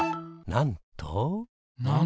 なんと？